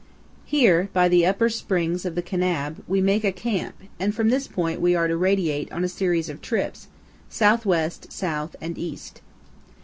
Here, by the upper springs of the Kanab, we make a camp, and from this point we are to radiate on a series of trips, southwest, south, and east.